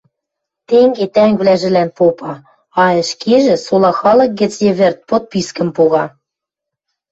Тенге тӓнгвлӓжӹлӓн попа, а ӹшкежӹ сола халык гӹц йывырт подпискӹм пога.